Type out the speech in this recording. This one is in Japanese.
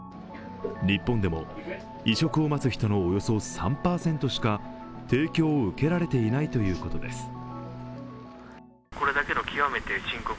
日本でも移植を待つ人のおよそ３％しか提供を受けられていないということです。